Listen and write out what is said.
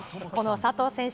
佐藤選手